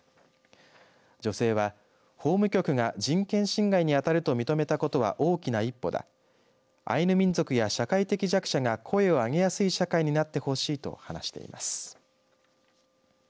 女性は法務局が人権侵害に当たると認めたことは大きな一歩だアイヌ民族や社会的弱者が声を上げやすい社会になってほしいと話しています。